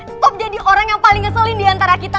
tetap jadi orang yang paling ngeselin diantara kita